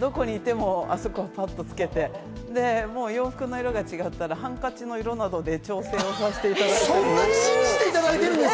どこにいても、あそこパッとつけて、洋服の色が違ったらハンカチの色などで調整をさせていただいております。